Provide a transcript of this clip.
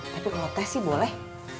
tapi kalau teh sih boleh